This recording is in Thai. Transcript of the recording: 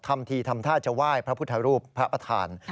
ทำทีทำท่าจะไหว้พระพุทธรูปพระประธาน